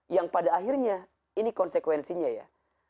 yang pada akhirnya ini konsekuensinya ya